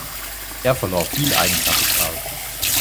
Er verlor viel Eigenkapital.